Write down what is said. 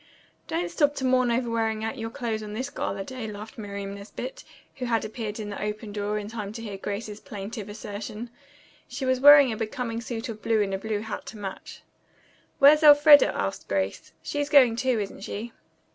"Don't stop to mourn over wearing out your clothes on this gala day," laughed Miriam Nesbit, who had appeared in the open door in time to hear Grace's plaintive assertion. She was wearing a becoming suit of blue and a blue hat to match. "Where's Elfreda?" asked Grace. "She's going, too, isn't she?"